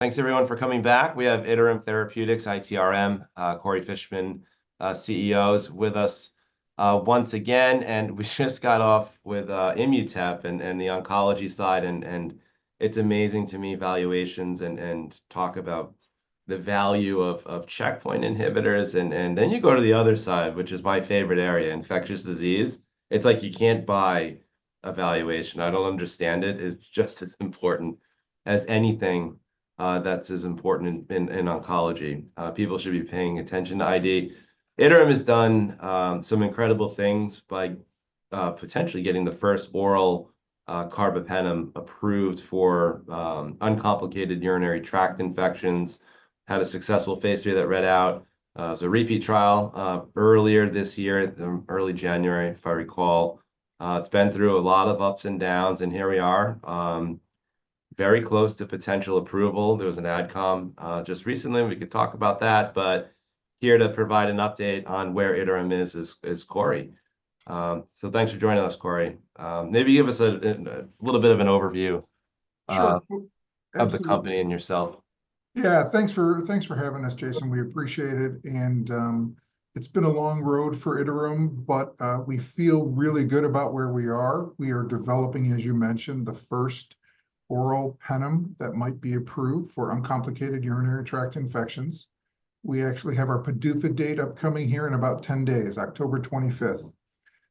Thanks everyone for coming back. We have Iterum Therapeutics, ITRM, Corey Fishman, CEO is with us, once again, and we just got off with Immutep and the oncology side, and it's amazing to me valuations and talk about the value of checkpoint inhibitors. Then you go to the other side, which is my favorite area, infectious disease. It's like you can't buy a valuation. I don't understand it. It's just as important as anything, that's as important in oncology. People should be paying attention to ID. Iterum has done some incredible things by potentially getting the first oral carbapenem approved for uncomplicated urinary tract infections, had a successful phase III that read out. It was a repeat trial earlier this year, early January, if I recall. It's been through a lot of ups and downs, and here we are, very close to potential approval. There was an AdCom just recently, and we could talk about that, but here to provide an update on where Iterum is, is Corey. So thanks for joining us, Corey. Maybe give us a little bit of an overview. Sure. Absolutely... of the company and yourself. Yeah, thanks for having us, Jason. We appreciate it, and it's been a long road for Iterum, but we feel really good about where we are. We are developing, as you mentioned, the first oral penem that might be approved for uncomplicated urinary tract infections. We actually have our PDUFA date upcoming here in about 10 days, October 25th.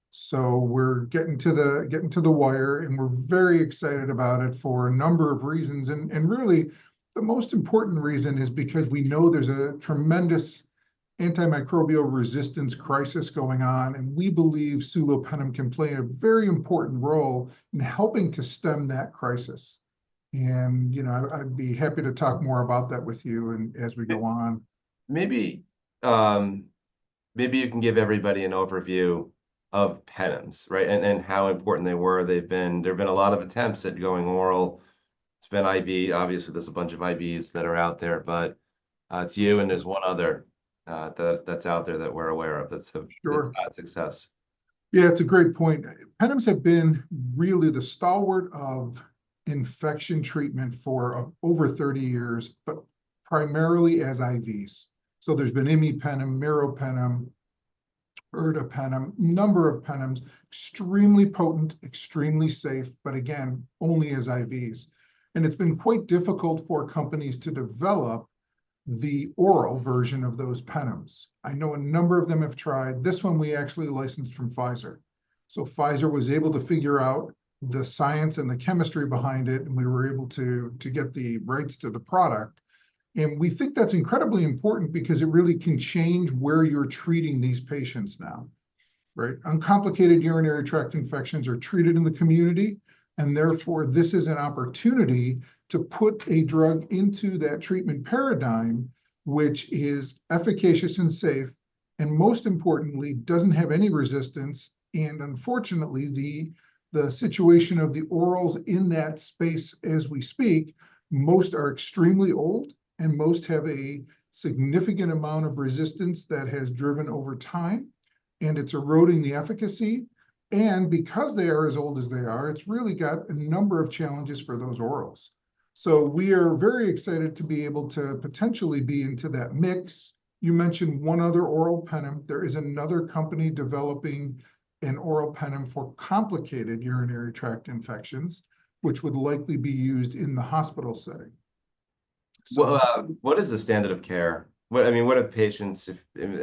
So we're getting to the wire, and we're very excited about it for a number of reasons. And really, the most important reason is because we know there's a tremendous antimicrobial resistance crisis going on, and we believe sulopenem can play a very important role in helping to stem that crisis. And, you know, I'd be happy to talk more about that with you and as we go on. Maybe, maybe you can give everybody an overview of penems, right? And how important they were, they've been. There have been a lot of attempts at going oral. It's been IV. Obviously, there's a bunch of IVs that are out there, but it's you and there's one other that that's out there that we're aware of that's a- Sure... had success. Yeah, it's a great point. Penems have been really the stalwart of infection treatment for over 30 years, but primarily as IVs. So there's been imipenem, meropenem, ertapenem, a number of penems. Extremely potent, extremely safe, but again, only as IVs. And it's been quite difficult for companies to develop the oral version of those penems. I know a number of them have tried. This one we actually licensed from Pfizer. So Pfizer was able to figure out the science and the chemistry behind it, and we were able to get the rights to the product. And we think that's incredibly important because it really can change where you're treating these patients now, right? Uncomplicated urinary tract infections are treated in the community, and therefore, this is an opportunity to put a drug into that treatment paradigm, which is efficacious and safe, and most importantly, doesn't have any resistance. And unfortunately, the situation of the orals in that space as we speak, most are extremely old, and most have a significant amount of resistance that has driven over time, and it's eroding the efficacy. And because they are as old as they are, it's really got a number of challenges for those orals. So we are very excited to be able to potentially be into that mix. You mentioned one other oral penem. There is another company developing an oral penem for complicated urinary tract infections, which would likely be used in the hospital setting. So- What is the standard of care? What I mean, what do patients, if and,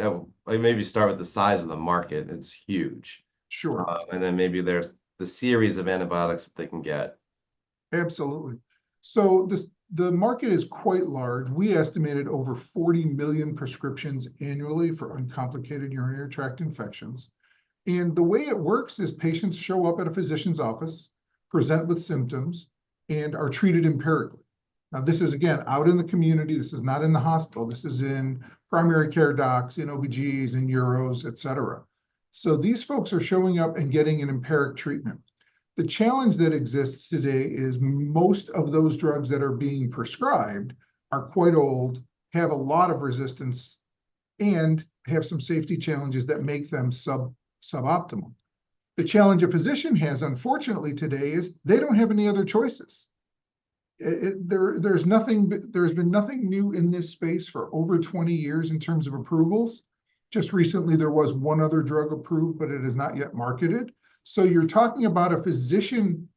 like, maybe start with the size of the market. It's huge. Sure. And then maybe there's the series of antibiotics that they can get. Absolutely. So the market is quite large. We estimated over forty million prescriptions annually for uncomplicated urinary tract infections. And the way it works is patients show up at a physician's office, present with symptoms, and are treated empirically. Now, this is, again, out in the community. This is not in the hospital. This is in primary care docs, in OB-GYNs, in ERs, et cetera. So these folks are showing up and getting an empiric treatment. The challenge that exists today is most of those drugs that are being prescribed are quite old, have a lot of resistance, and have some safety challenges that make them suboptimal. The challenge a physician has, unfortunately, today is they don't have any other choices. There's been nothing new in this space for over 20 years in terms of approvals. Just recently, there was one other drug approved, but it is not yet marketed, so you're talking about a physician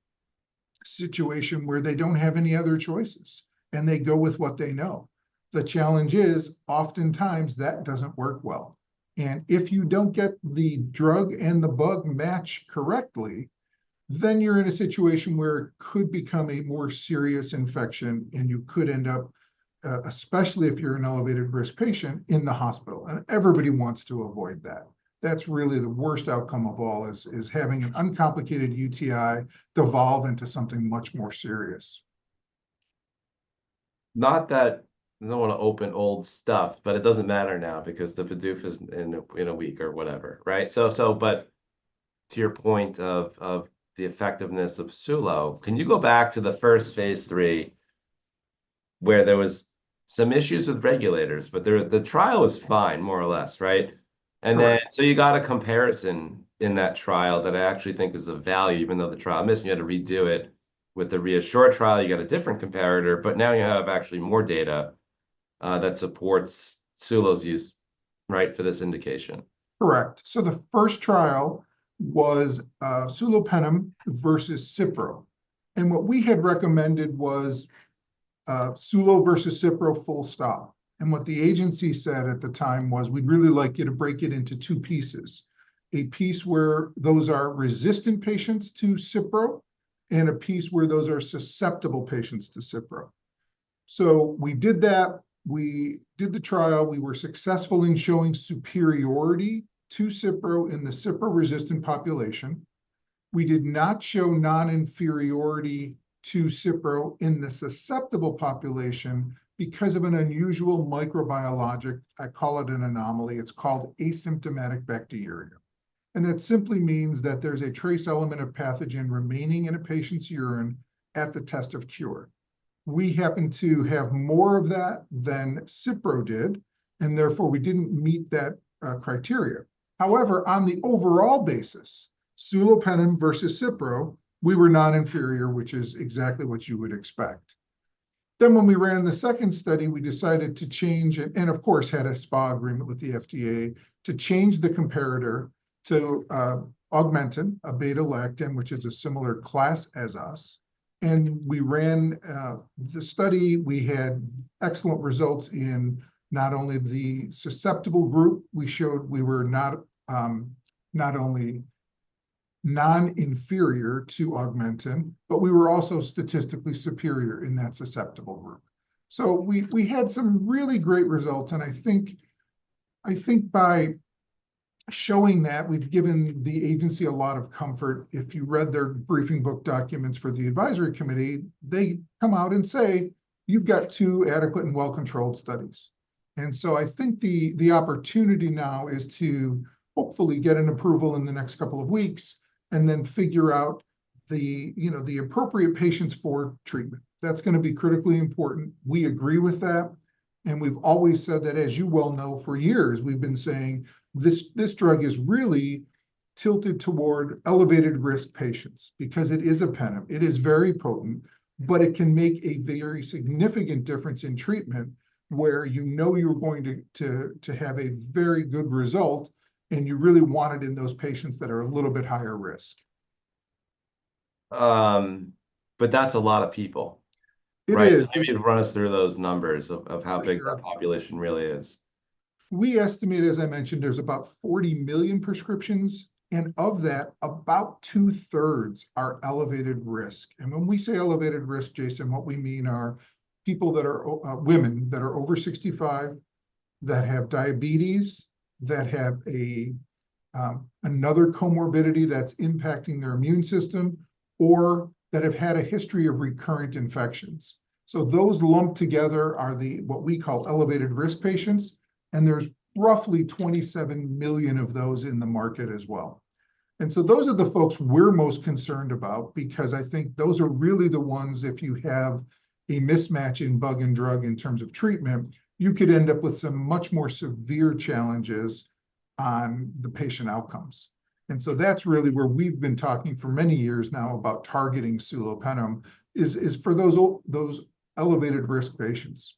situation where they don't have any other choices, and they go with what they know. The challenge is, oftentimes, that doesn't work well, and if you don't get the drug and the bug matched correctly, then you're in a situation where it could become a more serious infection, and you could end up, especially if you're an elevated-risk patient, in the hospital, and everybody wants to avoid that. That's really the worst outcome of all, is having an uncomplicated UTI devolve into something much more serious. Not that, I don't want to open old stuff, but it doesn't matter now because the PDUFA is in a week or whatever, right? So, but to your point of the effectiveness of Sulo, can you go back to the first phase III, where there was some issues with regulators, but the trial was fine, more or less, right?... and then, so you got a comparison in that trial that I actually think is of value, even though the trial, obviously, you had to redo it. With the REASSURE trial, you got a different comparator, but now you have actually more data that supports Sulo's use, right, for this indication? Correct. So the first trial was Sulopenem versus Cipro. And what we had recommended was Sulo versus Cipro, full stop. And what the agency said at the time was, "We'd really like you to break it into two pieces, a piece where those are resistant patients to Cipro, and a piece where those are susceptible patients to Cipro." So we did that. We did the trial. We were successful in showing superiority to Cipro in the Cipro-resistant population. We did not show non-inferiority to Cipro in the susceptible population because of an unusual microbiologic, I call it an anomaly, it's called asymptomatic bacteriuria, and that simply means that there's a trace element of pathogen remaining in a patient's urine at the test of cure. We happen to have more of that than Cipro did, and therefore we didn't meet that criteria. However, on the overall basis, Sulopenem versus Cipro, we were non-inferior, which is exactly what you would expect. Then, when we ran the second study, we decided to change it, and of course, had a SPA agreement with the FDA, to change the comparator to, Augmentin, a beta-lactam, which is a similar class as us, and we ran, the study. We had excellent results in not only the susceptible group, we showed we were not, not only non-inferior to Augmentin, but we were also statistically superior in that susceptible group. So we, we had some really great results, and I think, I think by showing that, we've given the agency a lot of comfort. If you read their briefing book documents for the advisory committee, they come out and say, "You've got two adequate and well-controlled studies." And so I think the opportunity now is to hopefully get an approval in the next couple of weeks, and then figure out the, you know, the appropriate patients for treatment. That's gonna be critically important. We agree with that, and we've always said that, as you well know, for years, we've been saying, "This drug is really tilted toward elevated-risk patients," because it is a penem. It is very potent, but it can make a very significant difference in treatment, where you know you're going to have a very good result, and you really want it in those patients that are a little bit higher risk. But that's a lot of people. It is. Right, so maybe run us through those numbers of, of how big- Sure... that population really is. We estimate, as I mentioned, there's about 40 million prescriptions, and of that, about two-thirds are elevated risk. And when we say elevated risk, Jason, what we mean are people that are women that are over 65, that have diabetes, that have another comorbidity that's impacting their immune system, or that have had a history of recurrent infections. So those lumped together are the, what we call, elevated-risk patients, and there's roughly 27 million of those in the market as well. And so those are the folks we're most concerned about because I think those are really the ones, if you have a mismatch in bug and drug in terms of treatment, you could end up with some much more severe challenges on the patient outcomes. That's really where we've been talking for many years now about targeting Sulopenem, is for those elevated-risk patients.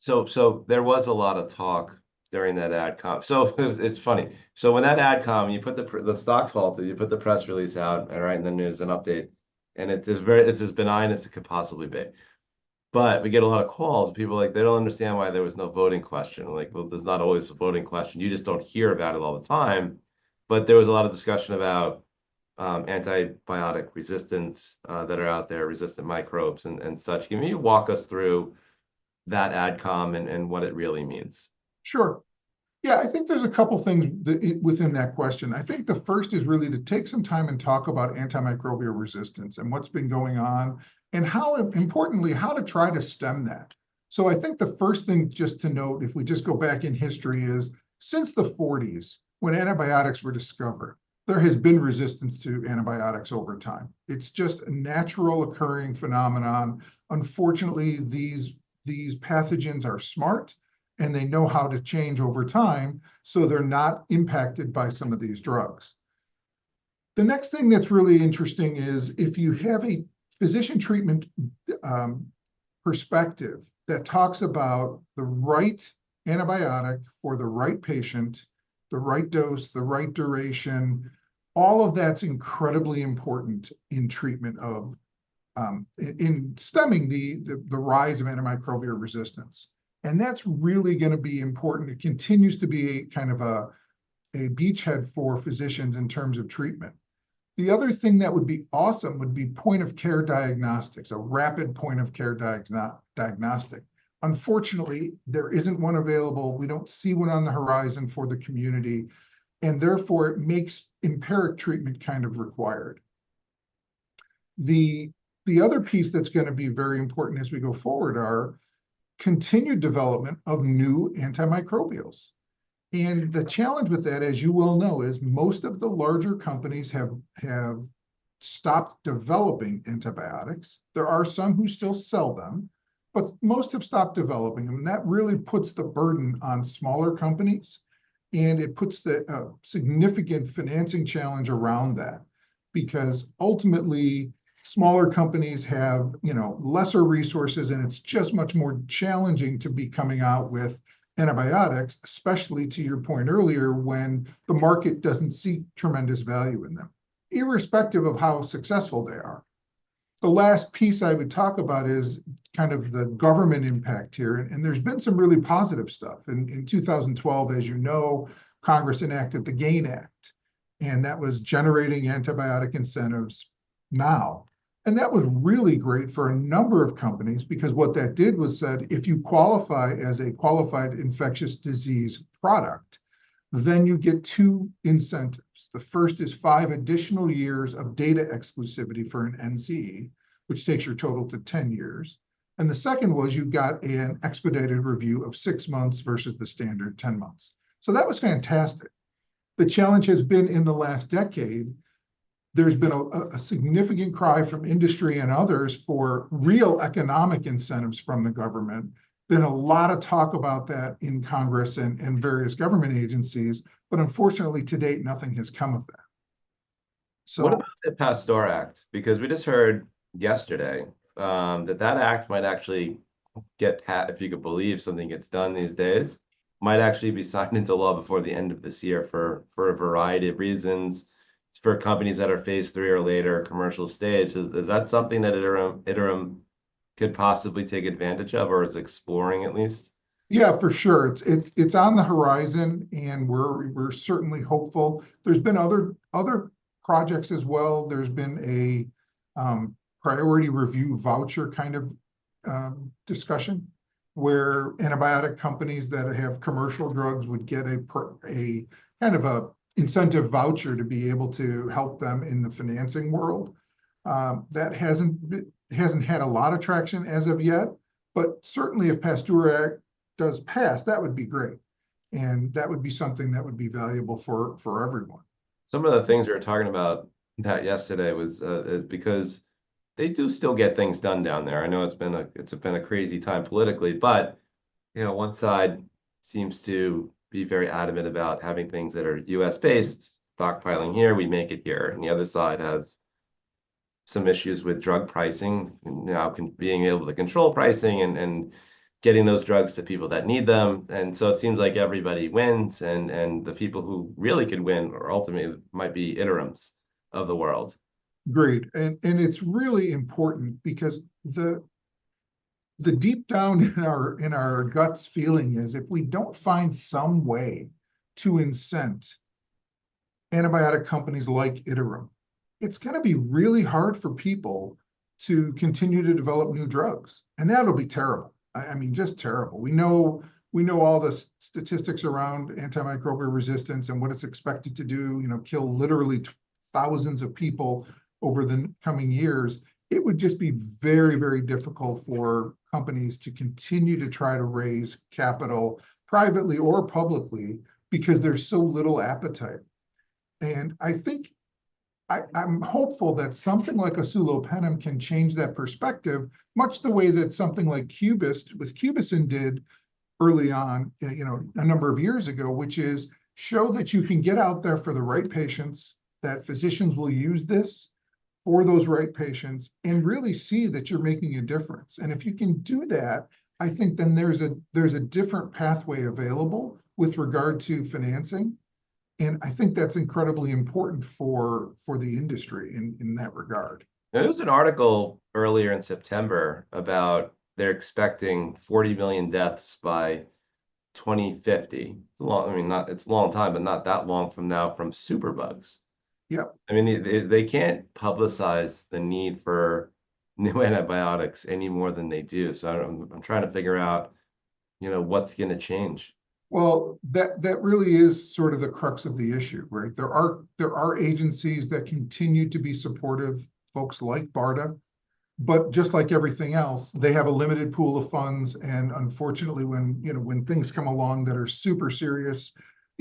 So there was a lot of talk during that AdCom. So it was. It's funny. So when that AdCom, the stocks fall, so you put the press release out and write in the news an update, and it is very, it's as benign as it could possibly be. But we get a lot of calls, people, like, they don't understand why there was no voting question. Like, well, there's not always a voting question. You just don't hear about it all the time. But there was a lot of discussion about antibiotic resistance that are out there, resistant microbes, and such. Can you walk us through that AdCom and what it really means? Sure. Yeah, I think there's a couple things that it, within that question. I think the first is really to take some time and talk about antimicrobial resistance, and what's been going on, and how, importantly, how to try to stem that. So I think the first thing, just to note, if we just go back in history, is since the 1940s, when antibiotics were discovered, there has been resistance to antibiotics over time. It's just a naturally occurring phenomenon. Unfortunately, these pathogens are smart, and they know how to change over time, so they're not impacted by some of these drugs. The next thing that's really interesting is, if you have a physician treatment perspective that talks about the right antibiotic for the right patient, the right dose, the right duration, all of that's incredibly important in treatment of in stemming the rise of antimicrobial resistance, and that's really gonna be important. It continues to be kind of a beachhead for physicians in terms of treatment. The other thing that would be awesome would be point-of-care diagnostics, a rapid point-of-care diagnostic. Unfortunately, there isn't one available. We don't see one on the horizon for the community, and therefore, it makes empiric treatment kind of required. The other piece that's gonna be very important as we go forward are continued development of new antimicrobials, and the challenge with that, as you well know, is most of the larger companies have stopped developing antibiotics. There are some who still sell them, but most have stopped developing them, and that really puts the burden on smaller companies, and it puts the, a significant financing challenge around that. Because ultimately, smaller companies have, you know, lesser resources, and it's just much more challenging to be coming out with antibiotics, especially to your point earlier, when the market doesn't see tremendous value in them, irrespective of how successful they are. The last piece I would talk about is kind of the government impact here, and there's been some really positive stuff. In 2012, as you know, Congress enacted the GAIN Act, and that was generating antibiotic incentives now, and that was really great for a number of companies, because what that did was said, "If you qualify as a qualified infectious disease product, then you get two incentives." The first is five additional years of data exclusivity for an NDA, which takes your total to 10 years, and the second was you got an expedited review of six months versus the standard 10 months. So that was fantastic. The challenge has been in the last decade. There's been a significant cry from industry and others for real economic incentives from the government. Been a lot of talk about that in Congress and various government agencies, but unfortunately to date, nothing has come of that. So- What about the PASTEUR Act? Because we just heard yesterday that that act might actually get passed, if you could believe something gets done these days, might actually be signed into law before the end of this year for a variety of reasons, for companies that are phase III or later commercial stage. Is that something that Iterum could possibly take advantage of or is exploring at least? Yeah, for sure. It's on the horizon, and we're certainly hopeful. There's been other projects as well. There's been a priority review voucher kind of discussion, where antibiotic companies that have commercial drugs would get a kind of a incentive voucher to be able to help them in the financing world. That hasn't had a lot of traction as of yet, but certainly if PASTEUR Act does pass, that would be great, and that would be something that would be valuable for everyone. Some of the things we were talking about that yesterday was is because they do still get things done down there. I know it's been a crazy time politically, but you know, one side seems to be very adamant about having things that are U.S.-based, stockpiling here, we make it here, and the other side has some issues with drug pricing, and now being able to control pricing and getting those drugs to people that need them. And so it seems like everybody wins, and the people who really could win are ultimately might be Iterums of the world. Agreed. And it's really important because the deep down in our guts feeling is if we don't find some way to incent antibiotic companies like Iterum, it's gonna be really hard for people to continue to develop new drugs, and that'll be terrible. I mean, just terrible. We know all the statistics around antimicrobial resistance and what it's expected to do, you know, kill literally thousands of people over the coming years. It would just be very, very difficult for companies to continue to try to raise capital, privately or publicly, because there's so little appetite. And I think... I'm hopeful that something like Sulopenem can change that perspective, much the way that something like Cubist with Cubicin did early on, you know, a number of years ago, which is show that you can get out there for the right patients, that physicians will use this for those right patients and really see that you're making a difference. And if you can do that, I think then there's a different pathway available with regard to financing, and I think that's incredibly important for the industry in that regard. There was an article earlier in September about they're expecting forty million deaths by 2050. It's a long time, but not that long from now, from superbugs. Yep. I mean, they can't publicize the need for new antibiotics any more than they do, so I don't... I'm trying to figure out, you know, what's gonna change. That really is sort of the crux of the issue, right? There are agencies that continue to be supportive, folks like BARDA, but just like everything else, they have a limited pool of funds, and unfortunately, when you know, when things come along that are super serious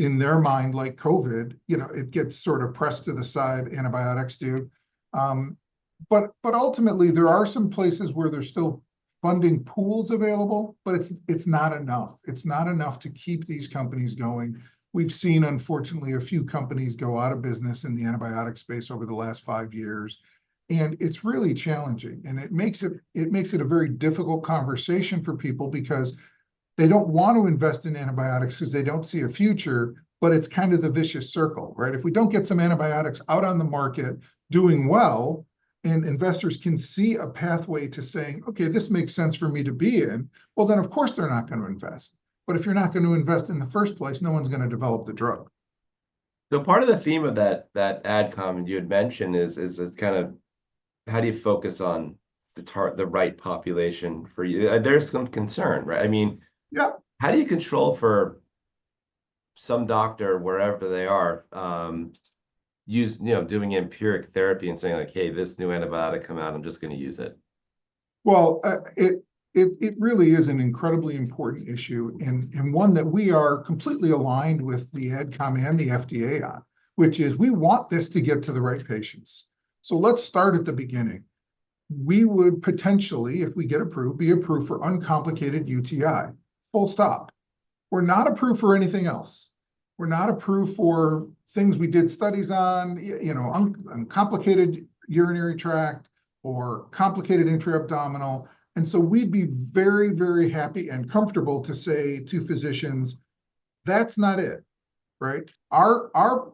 in their mind, like COVID, you know, it gets sort of pressed to the side, antibiotics do. But ultimately, there are some places where there's still funding pools available, but it's not enough. It's not enough to keep these companies going. We've seen, unfortunately, a few companies go out of business in the antibiotic space over the last five years, and it's really challenging, and it makes it a very difficult conversation for people because they don't want to invest in antibiotics because they don't see a future, but it's kind of the vicious circle, right? If we don't get some antibiotics out on the market, doing well, and investors can see a pathway to saying, "Okay, this makes sense for me to be in," well, then, of course, they're not gonna invest. But if you're not gonna invest in the first place, no one's gonna develop the drug. So part of the theme of that AdCom you had mentioned is kind of how do you focus on the right population for you? There's some concern, right? I mean- Yep. How do you control for some doctor, wherever they are, use you know doing empiric therapy and saying, like, "Hey, this new antibiotic come out, I'm just gonna use it?... Well, it really is an incredibly important issue, and one that we are completely aligned with the AdCom and the FDA on, which is we want this to get to the right patients. So let's start at the beginning. We would potentially, if we get approved, be approved for uncomplicated UTI, full stop. We're not approved for anything else. We're not approved for things we did studies on, you know, uncomplicated urinary tract or complicated intra-abdominal, and so we'd be very, very happy and comfortable to say to physicians, "That's not it," right? Our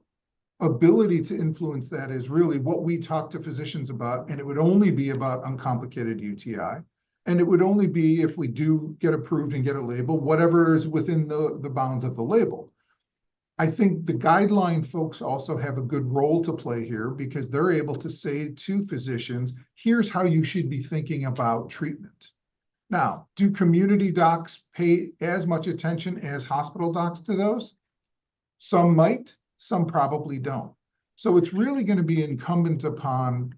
ability to influence that is really what we talk to physicians about, and it would only be about uncomplicated UTI, and it would only be if we do get approved and get a label, whatever is within the bounds of the label. I think the guideline folks also have a good role to play here because they're able to say to physicians, "Here's how you should be thinking about treatment." Now, do community docs pay as much attention as hospital docs to those? Some might, some probably don't. So it's really gonna be incumbent upon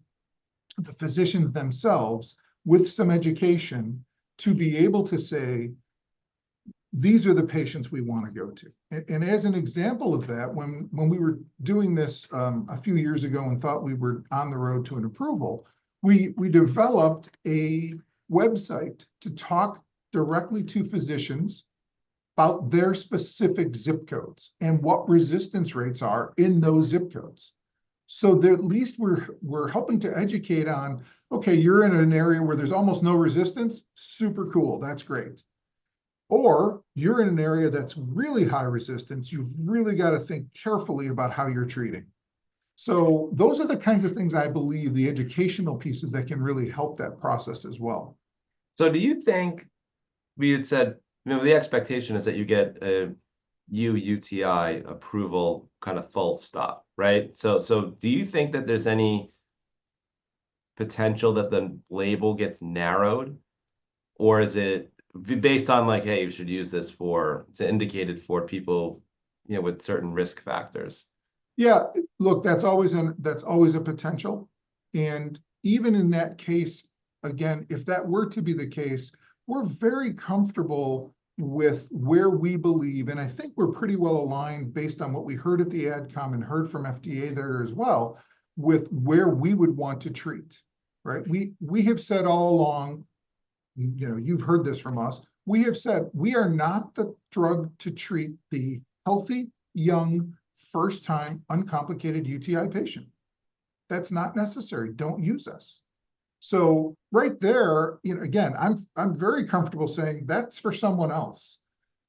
the physicians themselves, with some education, to be able to say, "These are the patients we wanna go to," and as an example of that, when we were doing this a few years ago and thought we were on the road to an approval, we developed a website to talk directly to physicians about their specific zip codes and what resistance rates are in those zip codes, so at least we're helping to educate on, "Okay, you're in an area where there's almost no resistance? Super cool. That's great." Or, "You're in an area that's really high resistance. You've really gotta think carefully about how you're treating." So those are the kinds of things I believe the educational pieces that can really help that process as well. Do you think, we had said, you know, the expectation is that you get a uUTI approval, kind of full stop, right? So, do you think that there's any potential that the label gets narrowed, or is it based on, like, "Hey, you should use this for... It's indicated for people, you know, with certain risk factors? Yeah. Look, that's always a potential, and even in that case, again, if that were to be the case, we're very comfortable with where we believe, and I think we're pretty well aligned based on what we heard at the AdCom and heard from FDA there as well, with where we would want to treat, right? We, we have said all along, you, you know, you've heard this from us, we have said we are not the drug to treat the healthy, young, first-time, uncomplicated UTI patient. That's not necessary. Don't use us. So right there, you know, again, I'm, I'm very comfortable saying, "That's for someone else."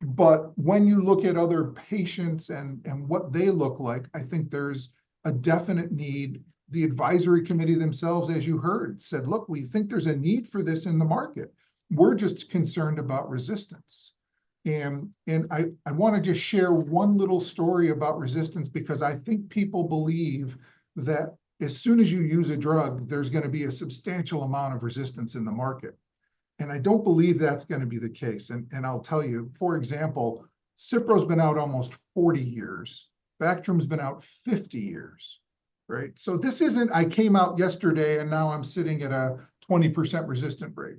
But when you look at other patients and, and what they look like, I think there's a definite need. The advisory committee themselves, as you heard, said, "Look, we think there's a need for this in the market. We're just concerned about resistance," and I wanna just share one little story about resistance because I think people believe that as soon as you use a drug, there's gonna be a substantial amount of resistance in the market, and I don't believe that's gonna be the case, and I'll tell you. For example, Cipro's been out almost 40 years. Bactrim's been out 50 years, right? So this isn't, "I came out yesterday, and now I'm sitting at a 20% resistant rate."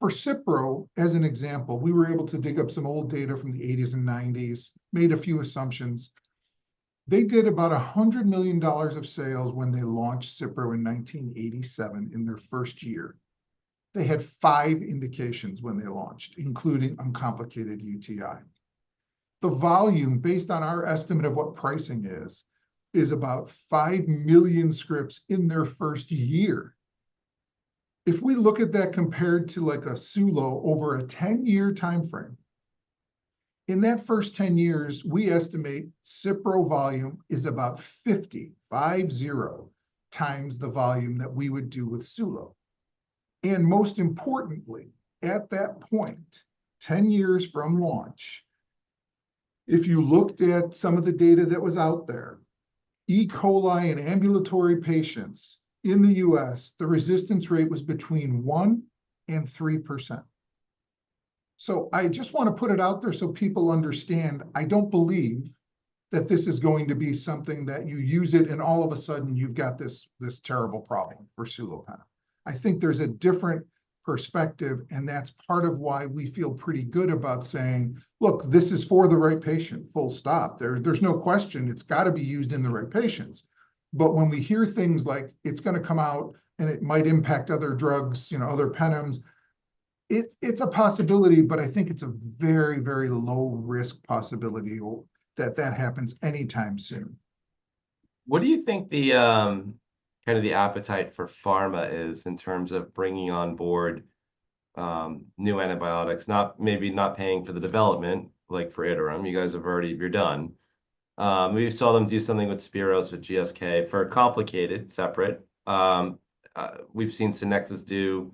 For Cipro, as an example, we were able to dig up some old data from the 1980s and 1990s, made a few assumptions. They did about $100 million of sales when they launched Cipro in 1987 in their first year. They had five indications when they launched, including uncomplicated UTI. The volume, based on our estimate of what pricing is, is about five million scripts in their first year. If we look at that compared to, like, a Sulo over a 10-year timeframe, in that first 10 years, we estimate Cipro volume is about 50 times the volume that we would do with Sulo. And most importantly, at that point, 10 years from launch, if you looked at some of the data that was out there, E. coli in ambulatory patients in the U.S., the resistance rate was between 1% and 3%. So I just wanna put it out there so people understand, I don't believe that this is going to be something that you use it, and all of a sudden, you've got this terrible problem for Sulopenem. I think there's a different perspective, and that's part of why we feel pretty good about saying, "Look, this is for the right patient, full stop." There, there's no question, it's gotta be used in the right patients. But when we hear things like, "It's gonna come out, and it might impact other drugs, you know, other penems," it's, it's a possibility, but I think it's a very, very low-risk possibility that happens anytime soon. What do you think the kind of appetite for pharma is in terms of bringing on board new antibiotics? Not, maybe not paying for the development, like for Iterum. You guys have already... You're done. We saw them do something with Spero, with GSK, for a complicated, separate. We've seen Scynexis do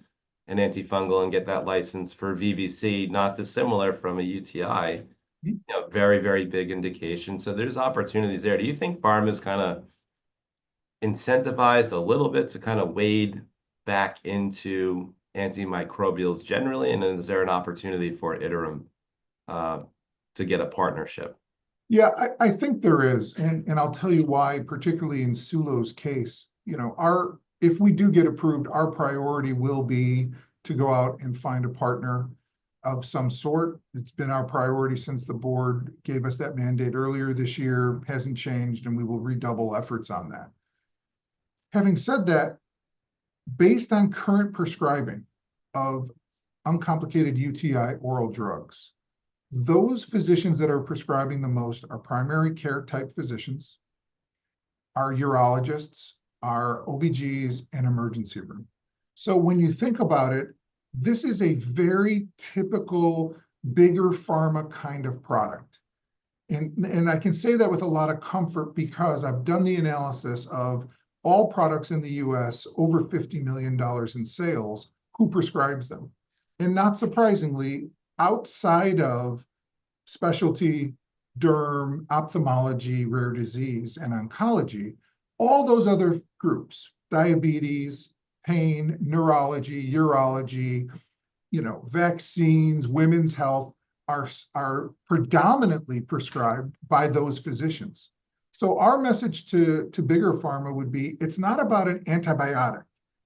an antifungal and get that license for VVC, not dissimilar from a UTI- Mm. you know, very, very big indication. So there's opportunities there. Do you think pharma's kinda incentivized a little bit to kind of wade back into antimicrobials generally, and then is there an opportunity for Iterum... to get a partnership? Yeah, I think there is, and I'll tell you why, particularly in Sulo's case. You know, our if we do get approved, our priority will be to go out and find a partner of some sort. It's been our priority since the board gave us that mandate earlier this year, hasn't changed, and we will redouble efforts on that. Having said that, based on current prescribing of uncomplicated UTI oral drugs, those physicians that are prescribing the most are primary care-type physicians, are urologists, are OB-GYNs, and emergency room. So when you think about it, this is a very typical, bigger pharma kind of product. I can say that with a lot of comfort, because I've done the analysis of all products in the U.S. over $50 million in sales, who prescribes them? And not surprisingly, outside of specialty, derm, ophthalmology, rare disease, and oncology, all those other groups, diabetes, pain, neurology, urology, you know, vaccines, women's health, are predominantly prescribed by those physicians. Our message to bigger pharma would be, it's not about an antibiotic,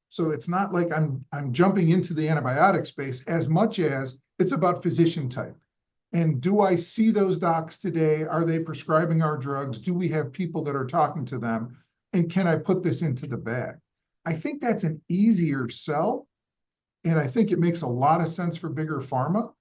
so it's not like I'm jumping into the antibiotic space, as much as it's about physician type, and do I see those docs today? Are they prescribing our drugs? Do we have people that are talking to them, and can I put this into the bag? I think that's an easier sell, and I think it makes a lot of sense for bigger pharma,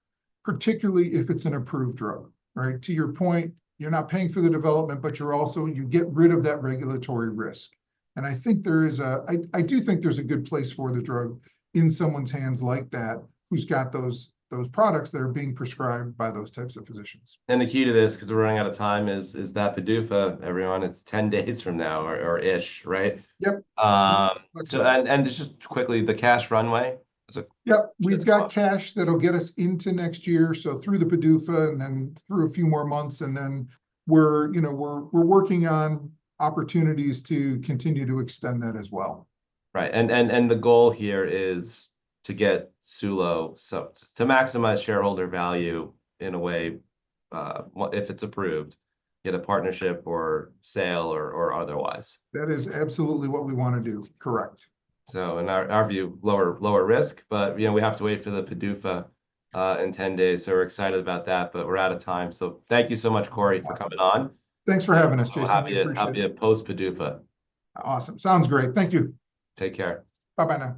particularly if it's an approved drug, right? To your point, you're not paying for the development, but you're also... You get rid of that regulatory risk, and I think there is a... I do think there's a good place for the drug in someone's hands like that, who's got those products that are being prescribed by those types of physicians. The key to this, 'cause we're running out of time, is that PDUFA, everyone. It's 10 days from now or-ish, right? Yep. Um, so- That's right... and just quickly, the cash runway is it- Yep. It's- We've got cash that'll get us into next year, so through the PDUFA, and then through a few more months, and then we're, you know, working on opportunities to continue to extend that as well. Right, and the goal here is to get Sulo to maximize shareholder value in a way. If it's approved, get a partnership, or sale, or otherwise. That is absolutely what we wanna do. Correct. So in our view, lower risk, but you know, we have to wait for the PDUFA in 10 days. So we're excited about that, but we're out of time, so thank you so much, Corey- Awesome.... for coming on. Thanks for having us, Jason. I'd be happy to post PDUFA. Awesome. Sounds great. Thank you. Take care. Bye-bye, now.